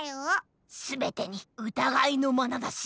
すべてにうたがいのまなざし。